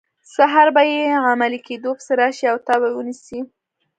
سهار به یې په عملي کیدو پسې راشي او تا به ونیسي.